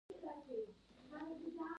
خپلو ټولګیوالو ته یې واوروئ.